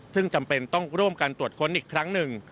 ซึ่งจำเป็นต้องร่วมการตรวจค้นอีกครั้งหนึ่ง